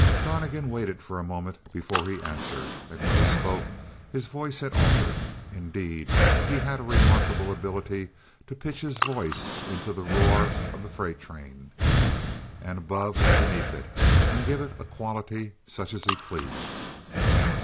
Donnegan waited for a moment before he answered. And when he spoke his voice had altered. Indeed, he had remarkable ability to pitch his voice into the roar of the freight train, and above or beneath it, and give it a quality such as he pleased.